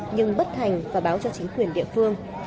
nhưng bất thành và báo cho chính quyền địa phương